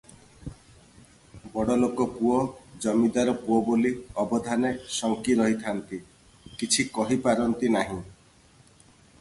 ବଡ଼ଲୋକ ପୁଅ, ଜମିଦାର ପୁଅ ବୋଲି ଅବଧାନେ ଶଙ୍କି ରହିଥାନ୍ତି, କିଛି କହି ପାରନ୍ତି ନାହିଁ ।